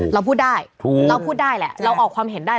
เราพูดได้เราพูดได้แหละเราออกความเห็นได้